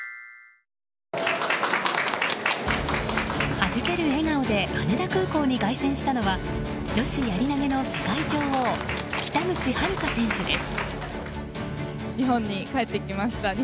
はじける笑顔で羽田空港に凱旋したのは女子やり投げの世界女王北口榛花選手です。